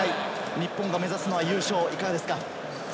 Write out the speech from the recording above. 日本が目指すのは優勝、いかがですか？